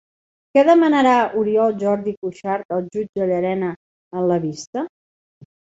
Què demanarà Oriol Jordi Cuixart al jutge Llanera en la vista?